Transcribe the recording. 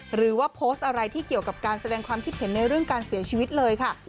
หรือว่าโพสต์อะไรที่เกี่ยวกับการแสดงความคิดเห็นในเรื่องการเสียชีวิตเลยค่ะ